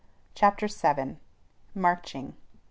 CHAPTER VII. MARCHING.